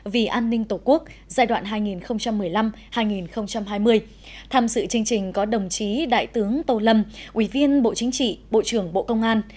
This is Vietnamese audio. vì an ninh tổ quốc giai đoạn hai nghìn một mươi năm hai nghìn hai mươi tham dự chương trình có đồng chí đại tướng tô lâm ủy viên bộ chính trị bộ trưởng bộ công an